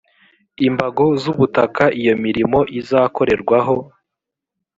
imbago z ubutaka iyo mirimo izakorerwaho